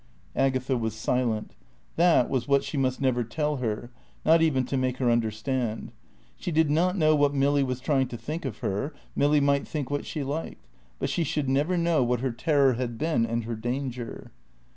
Agatha was silent. That was what she must never tell her, not even to make her understand. She did not know what Milly was trying to think of her; Milly might think what she liked; but she should never know what her terror had been and her danger.